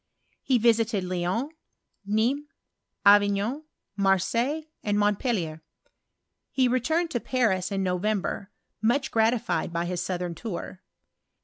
He visited Lyons, Nismes, Avignon, Marseilles, and Montpellier. He returned to Paris in November, much gratified by his southern tour.